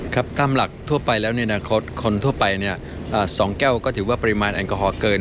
ครับตามหลักทั่วไปแล้วในอนาคตคนทั่วไปเนี่ย๒แก้วก็ถือว่าปริมาณแอลกอฮอลเกิน